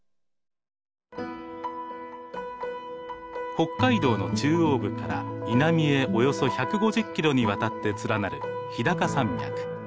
北海道の中央部から南へおよそ１５０キロにわたって連なる日高山脈。